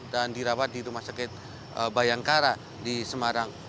dan dirawat di rumah sakit bayangkara di semarang